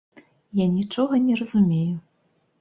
Я нічога не разумею.